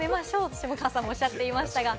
下川さんもおっしゃっていました。